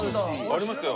ありましたよ。